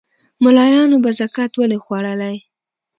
مُلایانو به زکات ولي خوړلای